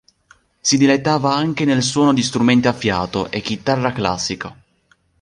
Si dilettava anche nel suono di strumenti a fiato e chitarra classica.